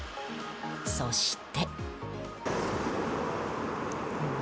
そして。